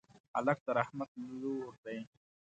هلک د رحمت لور دی.